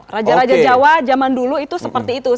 raja raja jawa zaman dulu itu seperti itu